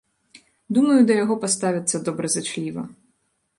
Думаю, да яго паставяцца добразычліва.